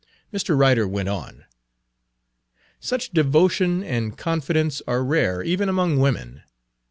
Mr. Ryder went on: "Such devotion and confidence are rare even among women.